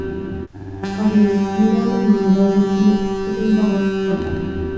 Akewekchi kamenyi neboiboichini ak siling bogol ak konom